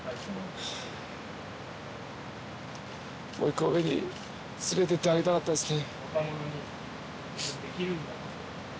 監督をもう１個上に連れていってあげたかったですけど。